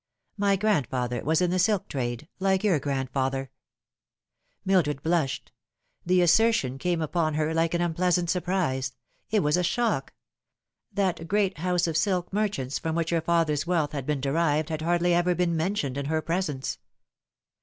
My grandfather was in the silk trade, like your grandfather." Mildred blushed; the assertion came upon her like an There is always the Skeleton. 87 unpleasant surprise. It was a shock. That great house of silk merchants from which her father's wealth had been derived had hardly ever been mentioned in her presence.